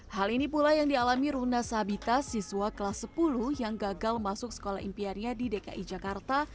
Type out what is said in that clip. hal ini pula yang dialami runa sabita siswa kelas sepuluh yang gagal masuk sekolah impiannya di dki jakarta